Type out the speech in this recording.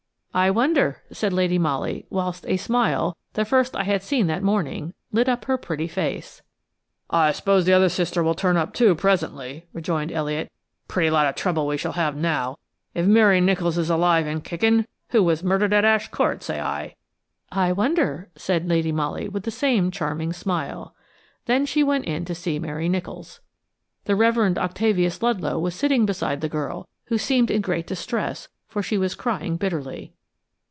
"I wonder," said Lady Molly, whilst a smile–the first I had seen that morning–lit up her pretty face. "I suppose the other sister will turn up too, presently," rejoined Elliot. "Pretty lot of trouble we shall have now. If Mary Nicholls is alive and kickin', who was murdered at Ash Court, say I?" "I wonder," said Lady Molly, with the same charming smile. Then she went in to see Mary Nicholls. The Reverend Octavius Ludlow was sitting beside the girl, who seemed in great distress, for she was crying bitterly.